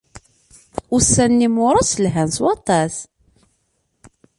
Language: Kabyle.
Ussan n imuṛas lhan s waṭas